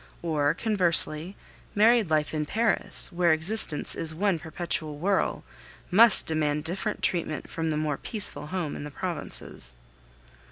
Or conversely, married life in Paris, where existence is one perpetual whirl, must demand different treatment from the more peaceful home in the provinces.